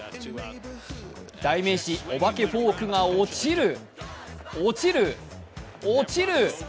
代名詞お化けフォークが落ちる、落ちる、落ちる。